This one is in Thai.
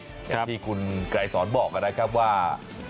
อย่างที่คุณไกรสอนบอกนะครับว่า